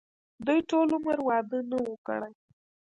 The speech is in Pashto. دوي ټول عمر وادۀ نۀ وو کړے